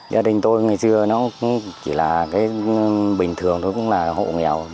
gia đình tôi ngày xưa nó cũng chỉ là cái bình thường thôi cũng là hộ nghèo